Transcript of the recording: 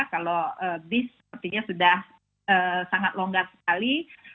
kalau bis sepertinya sudah sangat longgar sekali